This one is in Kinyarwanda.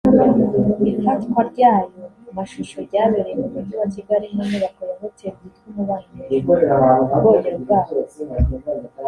Ifatwa ryayo mashusho ryabereye mu mujyi wa Kigali mu nyubako ya Hotel yitwa Umubano hejuru ku bwogero bwaho